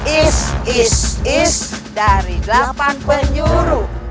is is is dari delapan penyuru